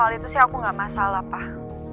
soal itu sih aku gak masalah pak